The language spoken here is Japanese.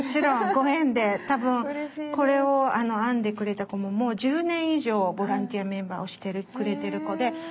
多分これを編んでくれた子ももう１０年以上ボランティアメンバーをしてくれてる子で。